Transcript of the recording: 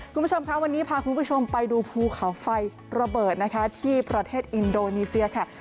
คุณผู้ชมค่ะวันนี้พาคุณผู้ชมไปดูภูเขาไฟระเบิดนะคะที่ประเทศอินโดนีเซียค่ะ